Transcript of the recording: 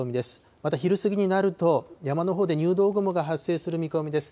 また昼過ぎになると山のほうで入道雲が発生する見込みです。